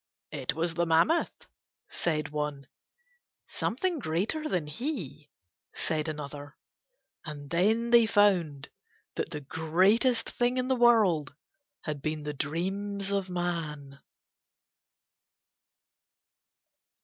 "It was the mammoth," said one. "Something greater than he," said another. And then they found that the greatest thing in the world had been the dreams of man.